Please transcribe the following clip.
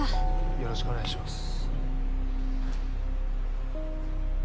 よろしくお願いします。